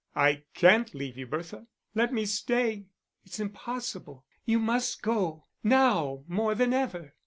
"I can't leave you, Bertha. Let me stay." "It's impossible. You must go, now more than ever."